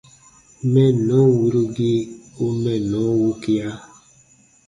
Mɛnnɔn wirugii u mɛnnɔ wukia.